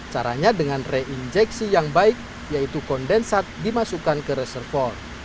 caranya dengan reinjeksi yang baik yaitu kondensat dimasukkan ke reservoir